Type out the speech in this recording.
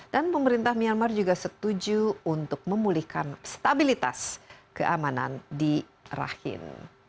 dan pemerintah myanmar juga setuju untuk memulihkan stabilitas keamanan di rahin